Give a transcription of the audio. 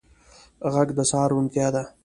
غږ د سهار روڼتیا ده